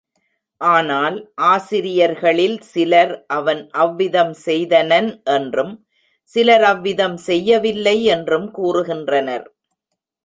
ஆனால், ஆசிரியர்களில் சிலர் அவன் அவ்விதம் செய்தனன் என்றும், சிலர் அவ்விதம் செய்யவில்லை என்றும் கூறுகின்றனர்.